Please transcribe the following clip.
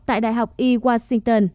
tại đại học e washington